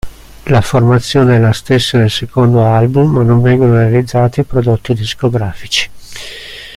La formazione è la stessa del secondo album, ma non vengono realizzati prodotti discografici.